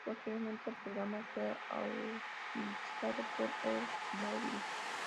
Posteriormente el programa fue auspiciado por Oldsmobile.